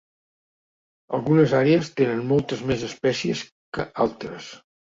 Algunes àrees tenen moltes més espècies que altres.